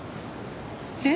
えっ？